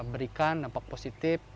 berikan dampak positif